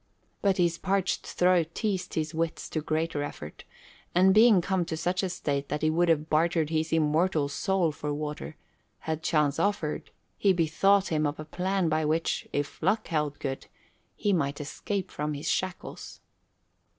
But his parched throat teased his wits to greater effort, and being come to such a state that he would have bartered his immortal soul for water, had chance offered, he bethought him of a plan by which, if luck held good, he might escape from his shackles.